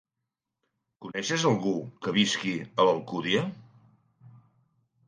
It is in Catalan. Coneixes algú que visqui a l'Alcúdia?